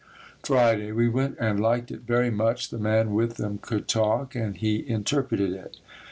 Friday. We went and liked it very much. The man with them could talk and he interpreted it.